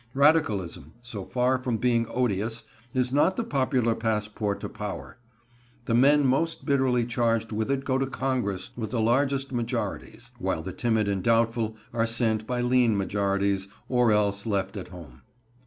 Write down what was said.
Radicalism, so far from being odious, is not the popular passport to power. The men most bitterly charged with it go to Congress with the largest majorities, while the timid and doubtful are sent by lean majorities, or else left at home.